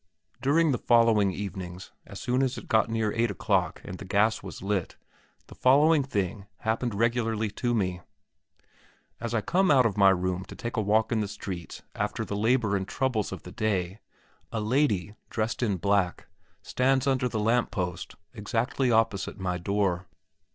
During the following evenings, as soon as it got near eight o'clock and the gas was lit, the following thing happened regularly to me. As I come out of my room to take a walk in the streets after the labour and troubles of the day, a lady, dressed in black, stands under the lamp post exactly opposite my door.